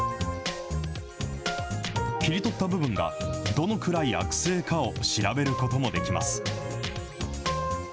切り取った部分がどのくらい悪性かを調べることもできます。